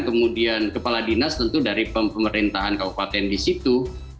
kemudian kepala dinas tentu dari pemerintahan kabupaten di situ